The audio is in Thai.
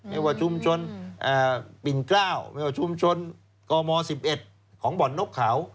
ไม่ว่าชุมชนปิ่นกล้าวไม่ว่าชุมชนกม๑๑ของบ่อนนกเขา